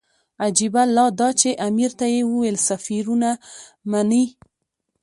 عجیبه لا دا چې امیر ته یې وویل سفیر ونه مني.